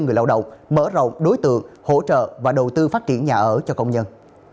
người lao động mở rộng đối tượng hỗ trợ và đầu tư phát triển nhà ở cho công nhân